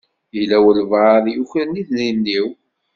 Yella walebɛaḍ i yukren idrimen-iw.